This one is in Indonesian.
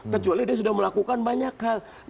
kecuali dia sudah melakukan banyak hal